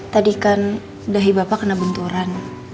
tadi kan dahi bapak kena benturan